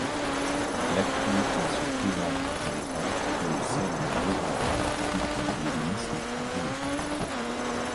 L'activité se présente au départ comme celle d'un revendeur d'articles de modélisme en général.